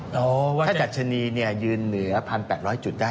ถ้าดัชนียืนเหนือ๑๘๐๐จุดได้